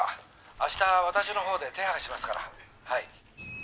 明日私のほうで手配しますからはい。